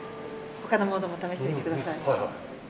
他のものも試してみてください。